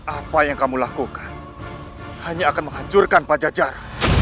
apa yang kamu lakukan hanya akan menghancurkan pak jajar